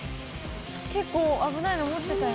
結構危ないの持ってたよ。